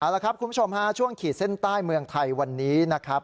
เอาละครับคุณผู้ชมฮะช่วงขีดเส้นใต้เมืองไทยวันนี้นะครับ